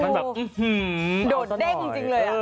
มันแบบอื้อหือโดดเด้งจริงเลยอ่ะ